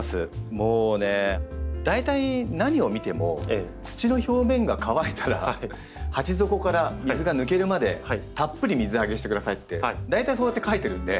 もうね大体何を見ても「土の表面が乾いたら鉢底から水が抜けるまでたっぷり水あげしてください」って大体そうやって書いてるんで。